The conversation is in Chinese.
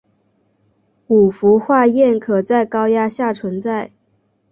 五氟化铯可在高压下存在。